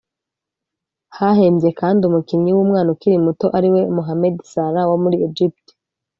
Hahembye kandi umukinnyi w’umwana ukiri muto ariwe Mohamed Salah wo muri Egypt